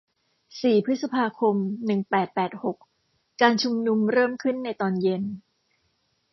สี่พฤษภาคม หนึ่งแปดแปดหก การชุมนุมเริ่มขึ้นในตอนเย็น